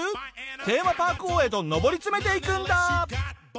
テーマパーク王へと上り詰めていくんだ！